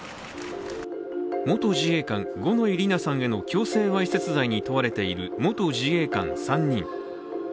元自衛官・五ノ井里奈さんへの強制わいせつ罪に問われている元自衛官３人。